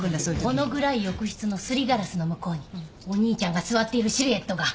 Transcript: ほの暗い浴室のすりガラスの向こうにお兄ちゃんが座っているシルエットが。